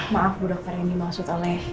maaf bu dokter ini maksud oleh